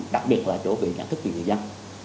đặc biệt là chỗ bị nhận thức dịch dân